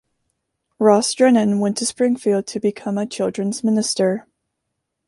Ross Drennan went to Springfield to become a children's minister.